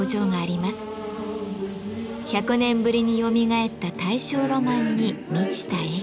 １００年ぶりによみがえった大正ロマンに満ちた駅。